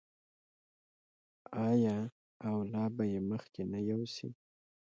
آیا او لا به یې مخکې نه یوسي؟